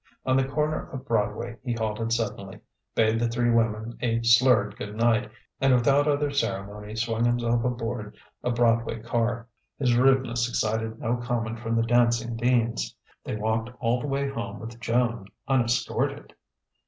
On the corner of Broadway he halted suddenly, bade the three women a slurred good night, and without other ceremony swung himself aboard a Broadway car. His rudeness excited no comment from the Dancing Deans. They walked all the way home with Joan, unescorted.